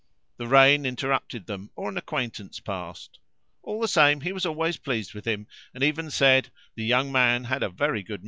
The rain interrupted them or an acquaintance passed. All the same he was always pleased with him, and even said the "young man" had a very good memory.